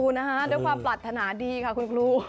คุณครูนะฮะด้วยความปรัฐธนาดีค่ะคุณครู